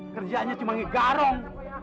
kerjanya cuma ngegarong